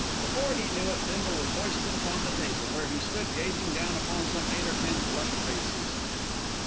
Before he knew it Bindle was hoisted upon the table, where he stood gazing down upon some eight or ten flushed faces.